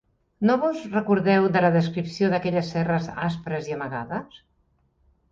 No vos recordeu de la descripció d'aquelles serres aspres i amagades?